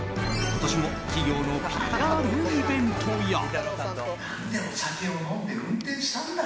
今年も企業のＰＲイベントや。